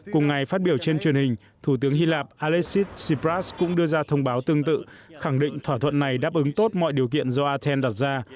cùng ngày phát biểu trên truyền hình thủ tướng hy lạp alexis tsypras cũng đưa ra thông báo tương tự khẳng định thỏa thuận này đáp ứng tốt mọi điều kiện do athen đặt ra